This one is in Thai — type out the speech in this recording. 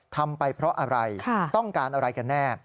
ทำไปเพราะอะไรต้องการอะไรกันแน่